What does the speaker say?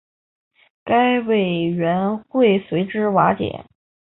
该委员会随之瓦解。